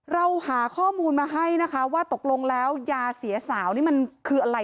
เราหาข้อมูลมาให้นะคะว่าตกลงแล้วยาเสียสาวนี่มันคืออะไร